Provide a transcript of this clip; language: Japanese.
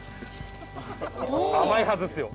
甘いはずっすよ。